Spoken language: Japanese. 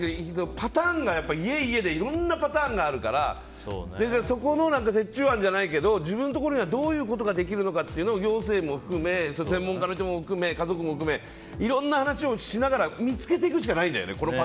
パターンが家々でいろんなパターンがあるからそこの折衷案じゃないけど自分のところではどういうことができるのかを行政も含め専門家の人も含め家族も含めいろんな話をしながら見つけていくしかないんだよね。